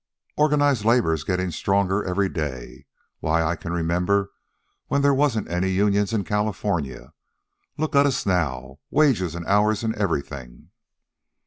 "Organized labor's gettin' stronger every day. Why, I can remember when there wasn't any unions in California. Look at us now wages, an' hours, an' everything."